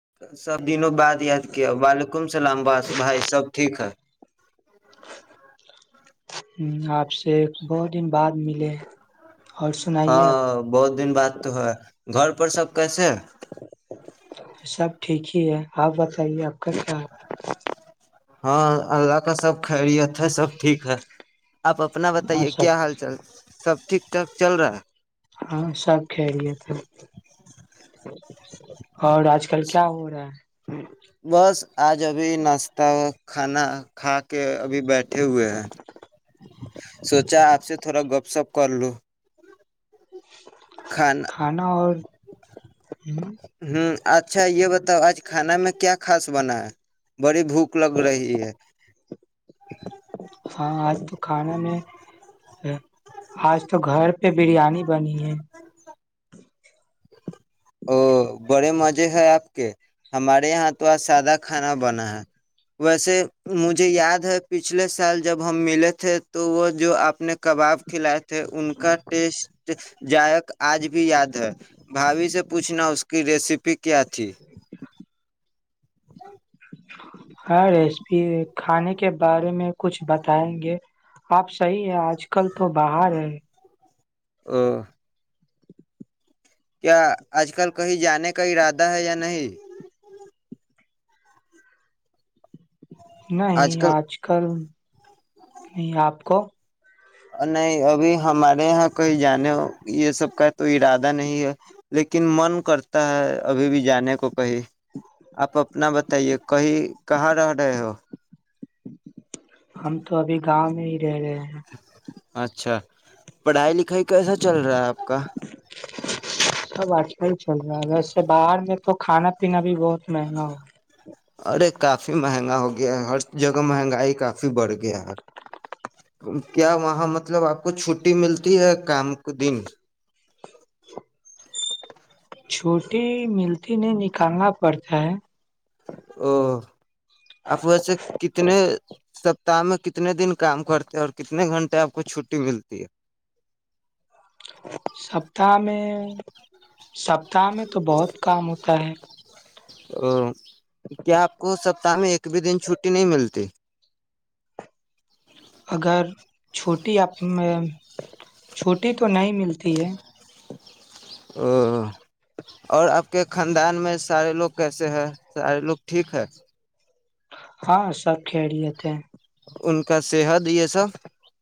[inaudible] سب دنوں بعد یاد کیا وعلیکم السلام بس بھائی سب ٹھیک ہے [unintelligible] ہ آپ سے بہت دن بعد ملے اور سنائیے ہاں آپ بہت دن بعد تو ہے گھر پر سب کیسے سب ٹھیک ہی ہے آپ بتائیے آپ کا کیا ہے ہاں اللہ کا سب خیریت ہے سب ٹھیک ہے آپ اپنا ہاں بتائیے سب کیا حال چال سب ٹھیک ٹھاک چل رہا ہے ہاں سب کھیرییے تھ اور آج کل کیا ہو رہا ہے بس آج ابھی ناشتہ کھانا کھا کے ابھی بیٹھے ہوئے ہیں سوچا آپ سے تھوڑا گپ سپ کر لو کھانا اور ہ ہ اچھا یہ بتاؤ آج کھانا میں کیا خاس بنا ہے بڑی بھوک لگ رہی ہے ہاں آج تو کھانا میں آج تو گھر پہ بریانی بنی ہے [unintelligible] او بڑے مزے ہے آپ کے ہمارے یہاں تو آ سادہ کھانا بنا ہے ویسے مجھے یاد ہے پچھلے سال جب ہم ملے تھے تو وہ جو آپ نے کباب کھلائے [unintelligible] تھ ان کا ٹیسٹ [unintelligible] جائق آج بھی یاد ہے بھاوھی سے پوچھنا اس کا [unintelligible] کی ریسیپی کیا تھی [unintelligible] ہاں ریسپی کھانے کے بارے میں کچھ بتائیں گے آپ صحیح ہیں آج کل تو باہر ہے [unintelligible] [unintelligible] [unintelligible] کیا آج کل کہیں جانے کا ارادہ ہے یا نہیں [unintelligible] نہیں آج کل [unintelligible] نہیں آپ کو [unintelligible] نہیں ابھی ہمارے یہاں کہیں جانے ہو یہ سب کا تو ارادہ نہیں ہے لیکن من کرتا ہے ابھی بھی جانے کو کہیں آپ اپنا بتائیے کہیں کہاں رہ رہے ہو [unintelligible] ہم تو ابھی گاؤں میں ہی [unintelligible] [unintelligible] [unintelligible] اچھا پڑھائی لکھائی [unintelligible] کیسا چل رہا ہے آپ کا سب اچھا ہی [unintelligible] چل رہا ہے ویسے باہر میں تو کھانا پینا بھی بہت مہنگا ہو [unintelligible] ارے کافی مہنگا ہو گیا ہے ہر جگہ مہنگائی کافی [unintelligible] ک بڑھ گ آار [unintelligible] کیا وہاں مطلب آپ کو چھٹی ملتی یا کام کے دن [unintelligible] چھوٹی ملتی نہیں نکالنا پڑتا ہے [unintelligible] [unintelligible] [unintelligible] اف وے کتنے [unintelligible] سپتاہ میں کتنے دن کام کرتے ہیں اور کتنے گھنٹے آپ کو چھٹی ملتی ہے [unintelligible] سپتا میں سپتاہ میں تو بہت کام ہوتا ہے [unintelligible] ا کیا آپ کو سپتااہ میں ایک بھی دن چھٹی نہیں ملتی [unintelligible] اگر چھوٹی آ میں چھوٹی تو نہیں ملتی ہے [unintelligible] او اور آپ کے خاندان میں سارے لوگ کیسے ہیں سارے لوگ ٹھیک ہے [unintelligible] ہاں سب کھیڑی تھ ہیں [unintelligible] ان کا صحت یہ سب [unintelligible]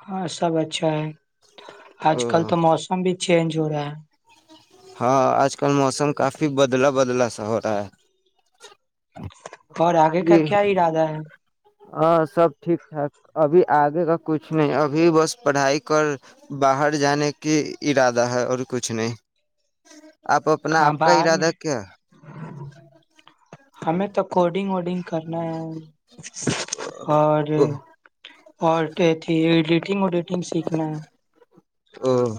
ہاں سب اچھا ہے [unintelligible] آج او کل تو موسم بھی [unintelligible] چ جو ہو رہا ہے [unintelligible] [inaudible] [unintelligible] ہاں آج کل موسم کافی بدلاب [unintelligible] بدلا سا ہو رہا ہے [unintelligible] اور مطلب آگے کا کہ کیا ارادہ ہے [unintelligible] ہاں سب ٹھیک ٹھاک ابھی آگے کا کچھ نہیں ابھی بس پڑھائی کر باہر جانے کی ارادہ ہے اور کچھ نہیں [unintelligible] آپ اپنا کہاں آپ کا باہر ارادہ میں کیا [unintelligible] ہمیں تو کوڈنگ ووڈنگ [unintelligible] کرنا ہے اور او اور کہتی ایڈیٹنگ وڈیٹنگ سیکھنا ہے [unintelligible] او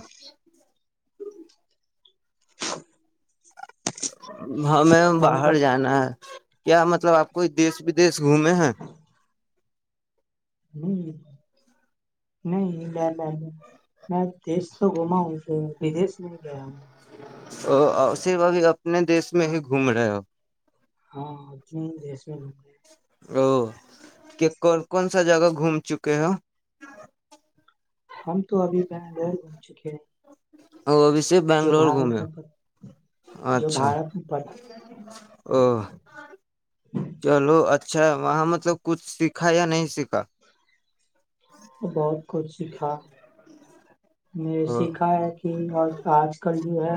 ہمیں اور باہر بت- جانا ہے کیا مطلب آپ کوئی دیش بدیش گھومے ہیں نہیں میں دیش تو گھما ہوں بدیش نہیں گیا ہوں ا صرف ابھی اپنے دیس میں ہی گھوم رہے ہو ہاں انے دی میں گوم او کہ کون کون سا جگہ گھوم چکے ہو ہم تو ابھی بنگلور گھوم چکے ہیں [unintelligible] ا ابھی سے جو بنگلور بھارت گھومے میں پڑ- جو اچھا بھارت میں پڑا او چلو اچھ اچھا وہاں مطلب کچھ سیکھا یا نہیں سیکھا بہت کچھ سیکھا میں او سیکھا ہے کہ اور آج کل جو ہے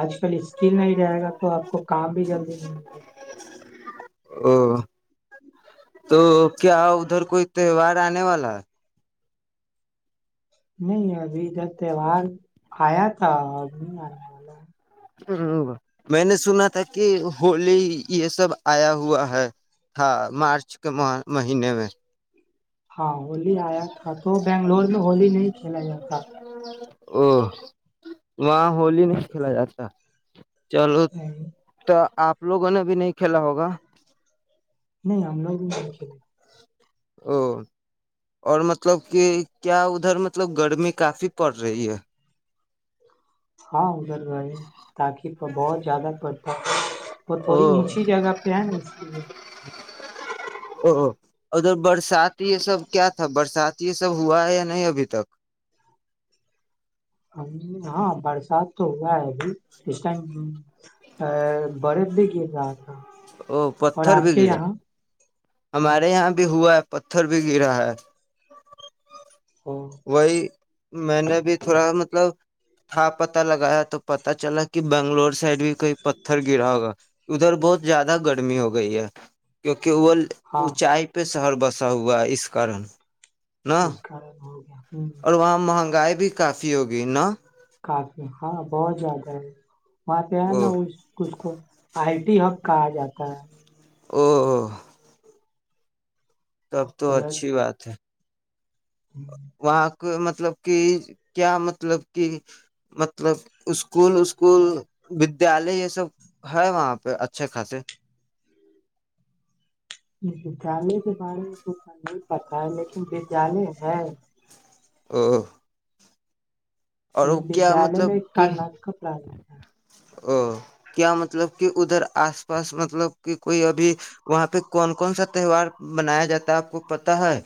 آج کل اسکل نہیں رہے گا تو آپ کو کام بھی جلدی نہیں ملے گا او تو کیا ادھر کوئی تہوار آنے والا نہیں ابھی تے و آیا تھا م آ ملا ہ میں نے سنا تھا کہ ہولی یہ سب آیا ہوا ہے تھا مارچ کے مہینے میں ہاں ہولی آیا تھا تو بنگلور میں ہولی نہیں کھیلا جاتا او وہاں ہولی نہیں کھیلا جاتا چلو تو آپ لوگوں نے بھی نہیں کھیلا ہوگا نہیں آنا ب کھیے [unintelligible] او [unintelligible] اور مطلب کہ کیا ادھر مطلب گرمی کافی پڑ رہی ہے ہاں [inaudible] ھر تاکہ بہت زیادہ بتاک وہ او تھوڑی اونچی جگہ پہ ہے نا اس لیے او ادھر برسات یہ سب کیا تھا برسات یہ سب ہوا ہے یا نہیں ابھی تک ہاں برسات تو ہوا ہے [unintelligible] اسسٹ [unintelligible] ا بڑے د گے ج تھا ا اور پتھر آپ بھی کے گرا یہاں ہوں، ہمارے یہاں بھی ہوا پتھر بھی گرا ہے او، وہی [unintelligible] میں نے بھی تھوڑا مطلب تھا پت لگایا تو پتا چلا کہ بنگلور سے سائڈ بھی کوئی پتھر گرا ہوگا ادھر بہت زیادہ گرمی ہو گئی ہے کیکہ کیول ہاں اونچائی پہ شہر بسا ہوا اس کارن نا اس کارن ہو گیا [unintelligible] اور وہاں مہنگا گائے بھی کافی ہوگی نا کافی ہاں بہت زیادہ ہے وہاںات ہے او نا اس اس کو سلامت آئی ڈٹی ہب کہا جاتا ہے او تب تو ادھر اچھی بات ہے وہاں [inaudible] مطلب کہ کیا مطلب کہ مطلب اسکول اسسکول ودیالے یہ سب ہے وہاں پہ اچھے خاصے ودیالیہ کے بارے میں کچھ نہیں پتا ہے لیکن ودیالیہ ہے [inaudible] اور یہ وہ کیا ودیالیہ مطلب میں ایک کہ کرناٹک پرارمب تھا او کیا مطلب کہ ادھر آس پاس مطلب کہ کوئی ابھی وہاں پہ کون کون سا تہوار منایا جاتا ہے آپ کو پتا ہے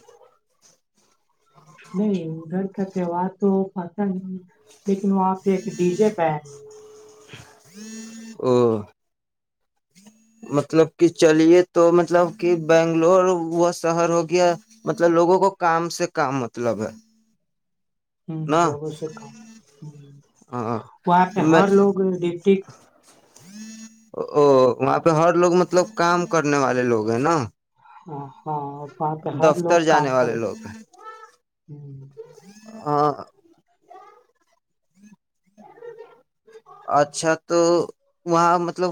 نہیں گھر کا تہوار تو پتا نہیں لیکن وہاں پہ ایک ڈی جے پہ او [inaudible] مطلب کہ چلیے تو مطلب کہ بنگلور وہا شہر ہو گیا مطلب لوگوں کو کام سے کام مطلب ہے ہ نا لگوں سے کام ہاں وہاں پہ میں ہر لوگ ڈپٹ [unintelligible] او وہاں پہ ہر لوگ مطلب کام کرنے والے لوگ ہیں نا ہاں ہاں وہاں پہ ہر لوگ دفتر کام جانے والے کریں گے لوگ ہ ہاں اچھا تو وہاں مطلب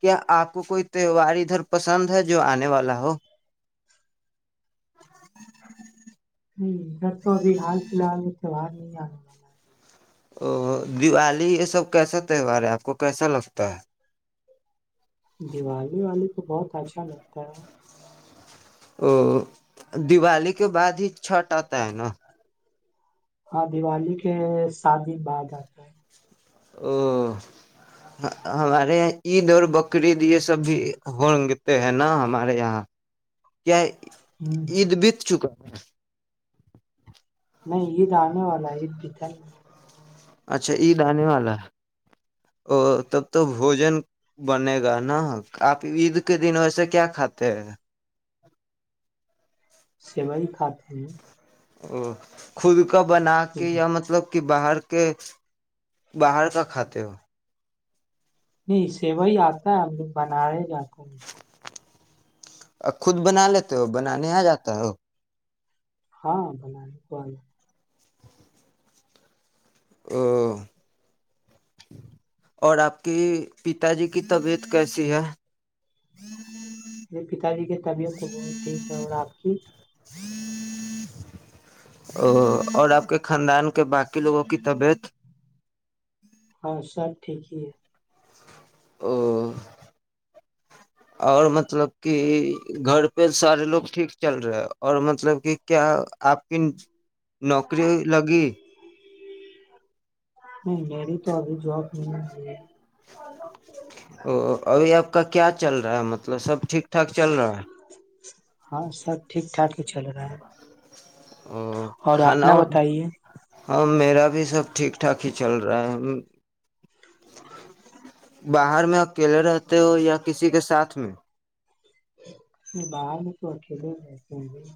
کیا آپ کو کوئی تہوار ادھر پسند ہے جو آنے والا ہو س تو ابھی حال فی الحال تہوہار ج ہے او دیوالی یہ سب کیسا تہوار ہے آپ کو کیسا لگتا ہے دیوالی والے تو بہت اچھا لگتا ہے او دیوالی کے بعد ہی چھٹ آتا ہے نا ہاں دیوالی کے ساتن بعد آتا ہے او ہمارے یہاں عید اور بقرید یہ سب بھی ہگتے ہیں نا ہمارے یہاں کیا نہیں عید بیت چکا ہے نہیں عید آنے والا ہے عید بتر اچھا عید آنے والا ا تب تو بوجن بنے گا نا آپ عید کے دن ویسے کیا کھاتے ہیں سوئی کھاتے ہیں او خود کا بنا کے ہیں یا مطلب کہ باہر کے باہر کا کھاتے ہو نہیں سیو ہی آتا ہے ہم لوگ بنایا جاتا ہے کو ا خود بنا لیتے ہو بنانے آ جاتا ہو ہاں بنے کو او اور آپ کی پتا جی کی طبیعت کیسی ہے میرے پتا جی کی طبیعت تو بہت ٹھیک ہے اور آپ کی او اور آپ کے خاندان کے باقی لوگوں کی طبیعت ہاں سب ٹھیک ہی ہے او اور مطلب کہ گھر پہ سارے لوگ ٹھیک چل رہے اور مطلب کہ کیا آپ کی نوکری لگی نہیں میری تو ابھی جاب نہیں ہوئی او ابھی آپ کا کیا چل رہا ہے مطلب سب ٹھیک ٹھاک چل رہا ہے ہاں سب ٹھیک ٹھاک ہی چل رہا ہے او اور کھانا اپنا وا بتائیے ہاں میرا بھی سب ٹھیک ٹھاک کھیچل رہا ہے باہر میں اکیلے رہتے ہو یا کسی کے ساتھ میں باہر میں تو اکیلے رہس ہیں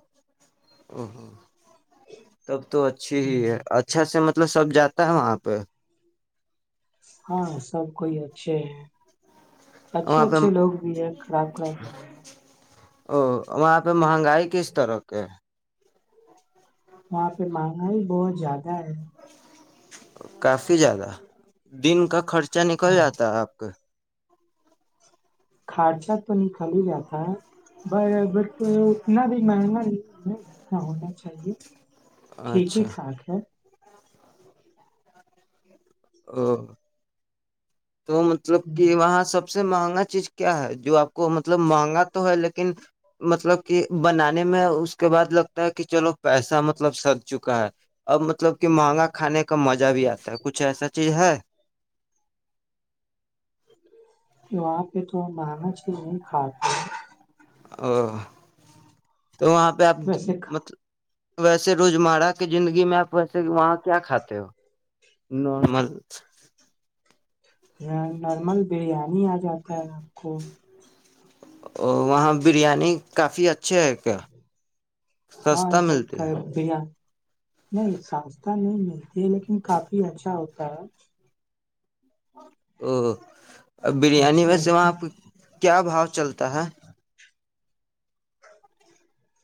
[inaudible] تب تو اچھی ہی ہے ہوں، اچھا سے مطلب مطلب سب جاتا ہے وہاں پہ ہاں سب کوئی ہے اچھا اچھے وہاں پہ اچھے لوگ بھی ہیں خراب خراب بھی لوگ ہیں او وہاں پہ مہنگائی کس طرح کے ہے وہاں پہ مہنگا ہی بہت زیادہ ہے کافی زیادہ دن کا خرچ چ نہیں کوئی ہاں۔ آاتتا ہے آپ کا خرچہ تو نکل ہی جاتا ہے ا وہ اتنا بھی مہنگا نہیں ہے جتنا ہونا چاہیے کا ٹھیک ہی اچھا ٹھاک ہے او تو مطلب کہ وہاں سب سے س سے مہنگا چیز کیا ہے جو آپ کو مطلب مہنگا تو ہے لیکن مطلب کہ بنایا ے میں اس کے بعد لگتا ہے کہ چلو پیسا مطلب سد چکا ہے اب مطلب کہ مہنگا کھانے کا کا مزہ بھی آتا ہے کچھ ایسا ہے تو وہاں پہ تھوڑا مہنگا چیز نہیں کھاتا اورو تو وہاں پہ آپ ویسے مط ویسے روز مرہ کی زندگی میں اپ ویسے وہاں کیا کھاتے ہو نارمل نارمل بریانی ا جاتا ہے اپ کو او وہاں بریانی کافی اچ اچھا ہے کیا ہاں سستا ادھر ملتا کا ہے بریانی نہیں سستا نہیں ملتی ہے لیکن کافی اچھا ہوتا ہے او ا بریانی اچھے میں سے لگتے وہاں آپ ہیں کیا بھاؤ چلتا ہے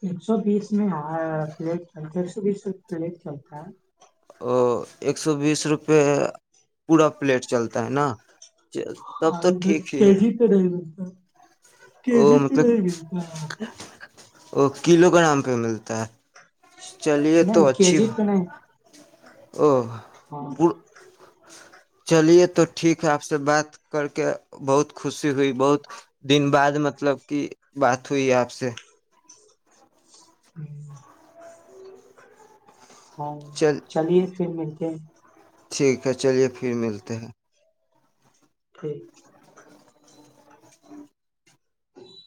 ایک سو بیس میں پلیٹ چل ہے ایک سو بیس رو پلیٹ چلتا ہے تو ایک سو بیس روپئے پورا پلیٹ چلتا ہے نا آ تب دھر کے جی پہ دے گ [inaudible] ا مطلب وہاں پہ وہ کلو کا نام ق ملتا ہے چلیے تو نہیں کے اچھی جی پہ نہیں او ہاں چلیے تو ٹھیک ہے آپ سے بات کر کے بہت خوشی ہوئی بہت دن بعد مطلب کہ بات ہوئی آپ سے [inaudible] ہاں چل چلیے پھر ملتے ہیں ٹھیک ہے چلیے پھر ملتے ہیں ٹھیک [inaudible] [inaudible]